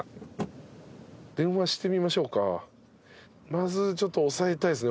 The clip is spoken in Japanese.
まずちょっと押さえたいですね